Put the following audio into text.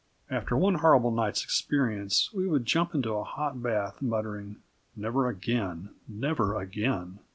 After one horrible night's experience, we would jump into a hot bath muttering: "Never again! Never again!"